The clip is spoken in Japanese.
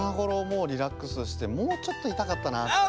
もうリラックスしてもうちょっといたかったなって。